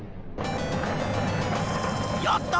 やった！